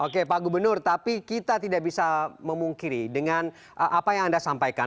oke pak gubernur tapi kita tidak bisa memungkiri dengan apa yang anda sampaikan